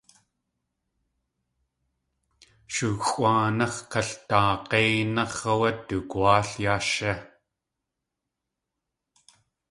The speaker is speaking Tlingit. Shuxʼáanáx̲ kaldaag̲éináx̲ áwé dugwáal yá shí.